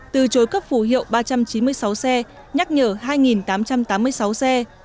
từ chối cấp phủ hiệu ba trăm chín mươi sáu xe nhắc nhở hai tám trăm tám mươi sáu xe